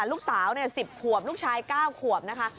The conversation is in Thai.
ลูกสาว๑๐ขวบลูกชาย๙ขวบนะคะ